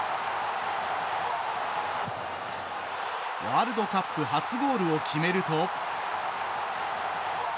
ワールドカップ初ゴールを決めると。